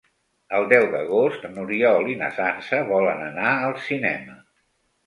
El deu d'agost n'Oriol i na Sança volen anar al cinema.